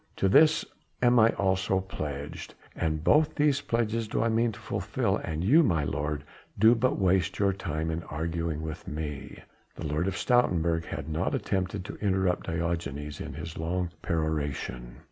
To this am I also pledged! and both these pledges do I mean to fulfil and you, my lord, do but waste your time in arguing with me." The Lord of Stoutenburg had not attempted to interrupt Diogenes in his long peroration.